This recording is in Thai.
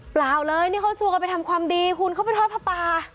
เปล่าเลยนี่เขาชวนกันไปทำความดีคุณเขาไปทอดผ้าป่า